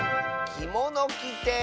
「きものきて」